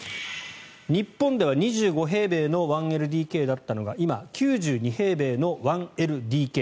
日本では２５平米の１ＬＤＫだったのが今、９２平米の１ＬＤＫ。